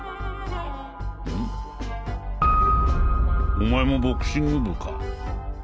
お前もボクシング部か？